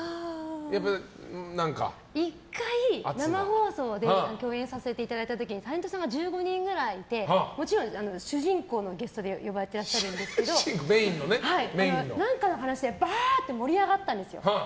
１回、生放送で共演させていただいた時にタレントさんが１５人くらいいてもちろん、主人公のゲストで呼ばれていらっしゃるんですけど何かの話でバーっと盛り上がったんですよ。